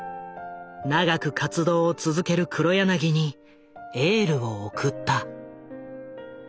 長く活動を続ける黒柳にエールを送った。